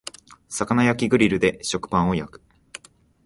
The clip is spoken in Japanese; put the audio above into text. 魚焼きグリルで食パンを焼く